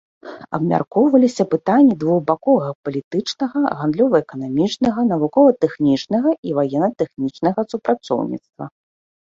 Абмяркоўваліся пытанні двухбаковага палітычнага, гандлёва-эканамічнага, навукова-тэхнічнага і ваенна-тэхнічнага супрацоўніцтва.